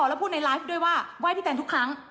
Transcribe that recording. แล้วพูดในไลฟ์ด้วยว่าไหว้พี่แตนทุกครั้ง